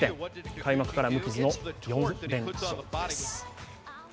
開幕から無傷の４連勝です。